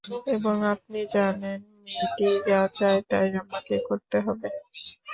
এবং আপনি জানেন মেয়েটি যা চায়, তাই আমাকে করতে হবে।